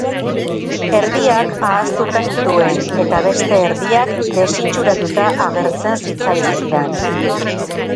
Erdiak ahaztuta nituen, eta beste erdiak desitxuratuta agertzen zitzaizkidan.